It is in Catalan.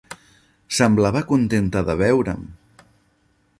Semblava contenta de veure'm.